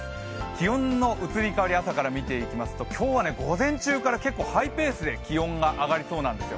気温の移り変わりを朝から見ていきますと、今日は午前中から結構ハイペースで気温が上がりそうなんですよ。